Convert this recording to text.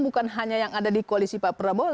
bukan hanya yang ada di koalisi pak prabowo